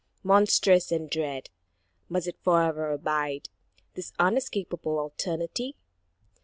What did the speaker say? Monstrous and dread, must it fore'er abide, This unescapable alternity?